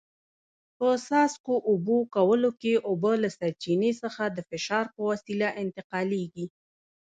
په څاڅکو اوبه کولو کې اوبه له سرچینې څخه د فشار په وسیله انتقالېږي.